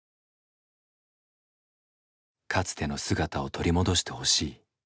かつての姿を取り戻してほしい。